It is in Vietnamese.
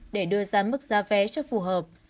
để đưa ra mức giá vé cho phù hợp